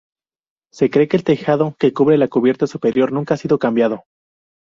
Se cree que el tejado que cubre la cubierta superior nunca ha sido cambiado.